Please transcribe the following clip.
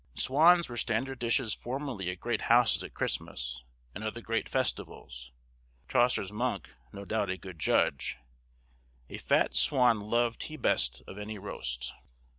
Swans were standard dishes formerly at great houses at Christmas, and other great festivals; Chaucer's monk, no doubt a good judge, "A fat swan loved he best of any rost."